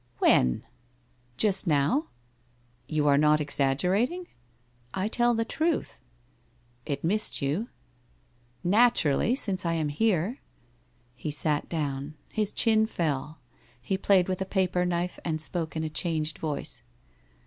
'When?' ' Just now.' 'You are not exaggerating?' I I tell the truth.' ' It missed you ?'' Naturally, since I am here.' He sat down. His chin fell. He played with a paper knife and spoke in a changed voice.